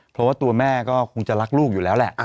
เพราะว่าตัวแม่ก็คงจะรักลูกอยู่แล้วแหละ